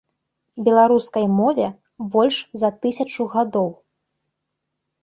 Беларускай мове больш за тысячу гадоў.